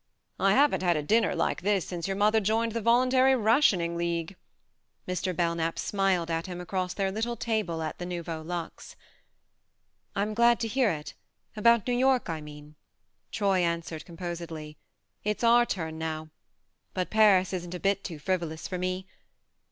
I haven't had a dinner like this THE MARNE 79 since your mother joined the Voluntary Rationing League," Mr. Belknap smiled at him across their little table at the Nouveau Luxe. " I'm glad to hear it about New York, I mean," Troy answered com posedly. "It's our turn now. But Paris isn't a bit too frivolous for me.